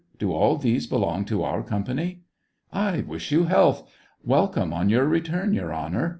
Do all these belong to our company ?"" I wish you health ! Welcome on your return, Your Honor!"